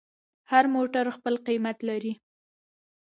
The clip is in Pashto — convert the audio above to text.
هر موټر خپل قیمت لري.